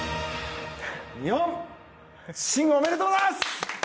日本新おめでとうございます！